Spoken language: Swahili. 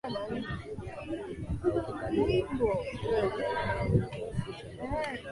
au kikabila nchini Uganda nao ulidhoofisha lugha